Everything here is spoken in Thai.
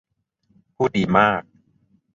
พูดดีมาก